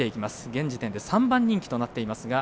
現時点で３番人気となっています。